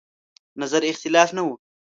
نظر اختلاف نه و.